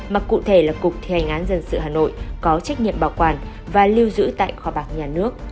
mà cụ thể là cục thi hành án dân sự hà nội có trách nhiệm bảo quản và lưu giữ tại kho bạc nhà nước